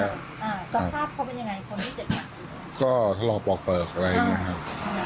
สภาพเขาเป็นยังไงคนที่เจ็บมากก็ทะเลาะปลอกเปลือกอะไรอย่างนี้ครับ